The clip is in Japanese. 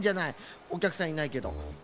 おきゃくさんいないけど。